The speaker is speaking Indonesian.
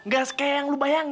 gak kayak yang lu bayang